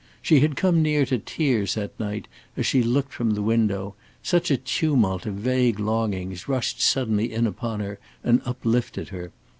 She had come near to tears that night as she looked from the window; such a tumult of vague longings rushed suddenly in upon her and uplifted her.